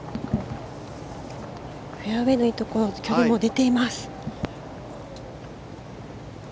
フェアウェーのいいところ距離も出ています。